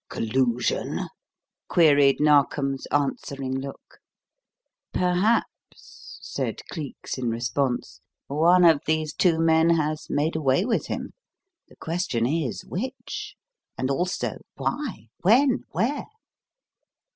"Collusion?" queried Narkom's answering look. "Perhaps," said Cleek's in response, "one of these two men has made away with him. The question is, which? and, also, why? when? where?"